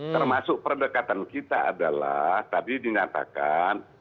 termasuk perdekatan kita adalah tadi dinyatakan